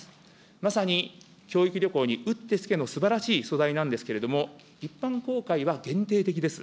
まさに教育旅行にうってつけのすばらしい素材なんですけれども、一般公開は限定的です。